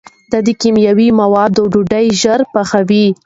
دا کیمیاوي مواد ډوډۍ ژر پخوي.